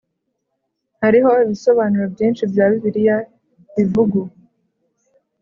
hariho ibisobanuro byinshi bya Bibiliya bivugu